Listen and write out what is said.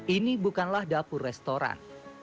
ini bukanlah dapur restoran